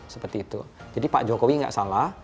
seperti itu jadi pak jokowi nggak salah